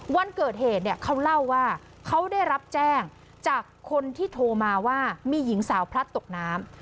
วันเกิดเหตุเนี่ยเขาเล่าว่าเขาได้รับแจ้งจากคนที่โทรมาว่ามีหญิงสาวพลัดตกน้ำ